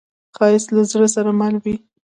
ښایست له زړه سره مل وي